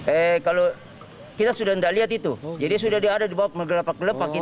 eh kalau kita sudah tidak lihat itu jadi sudah dia ada di bawah menggelepak gelepak itu